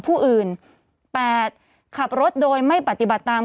ผู้ต้องหาที่ขับขี่รถจากอายานยนต์บิ๊กไบท์